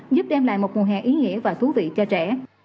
giúp đem lại một mùa hè ý nghĩa và thú vị cho trẻ